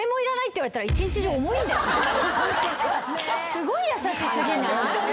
すごい優し過ぎない？